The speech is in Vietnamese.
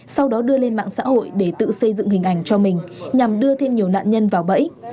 sau đó đưa lên mạng xã hội để tự xây dựng hình ảnh cho mình nhằm đưa thêm nhiều nạn nhân vào bẫy